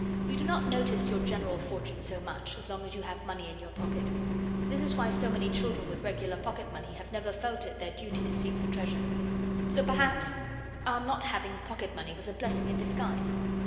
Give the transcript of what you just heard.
You do not notice your general fortune so much, as long as you have money in your pocket. This is why so many children with regular pocket money have never felt it their duty to seek for treasure. So, perhaps, our not having pocket money was a blessing in disguise.